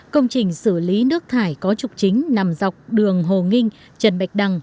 công trình xử lý nước thải có trục chính nằm dọc đường hồ nghinh trần bạch đăng